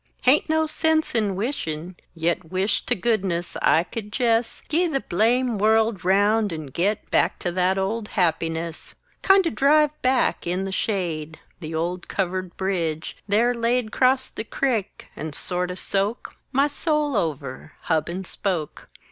Haint no sense in wishin' yit Wisht to goodness I could jes "Gee" the blame world round and git Back to that old happiness! Kindo' drive back in the shade "The old Covered Bridge" there laid Crosst the crick, and sorto' soak My soul over, hub and spoke!